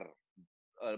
melihat cara pemain